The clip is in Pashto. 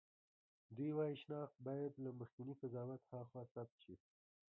دوی وايي شناخت باید له مخکېني قضاوت هاخوا ثبت شي.